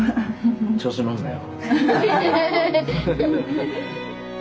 調子乗んなよ。